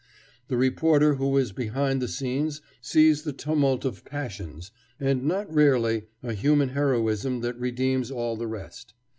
The reporter who is behind the scenes sees the tumult of passions, and not rarely a human heroism that redeems all the rest.